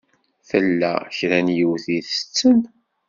Tella kra n yiwet i itetten.